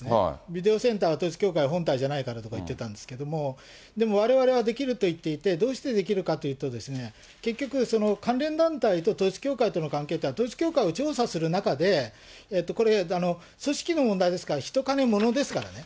ビデオセンターは統一教会本体じゃないからと言ってたんですけども、でもわれわれはできると言っていて、どうしてできるかというとですね、結局その関連団体と統一教会との関係というのは、統一教会を調査する中で、これ、組織の問題ですから、人、金、物ですからね。